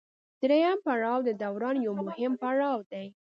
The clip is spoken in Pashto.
دریم پړاو د دوران یو مهم پړاو دی